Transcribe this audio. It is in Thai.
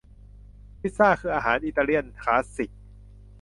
พิซซ่าคืออาหารอิตาเลียนคลาสสิค